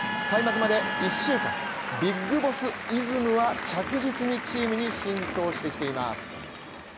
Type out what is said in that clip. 開幕まで１週間、ビッグボスイズムは着実にチームに浸透してきています。